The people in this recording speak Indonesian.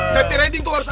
safety riding tuh harus ada